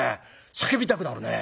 叫びたくなるね。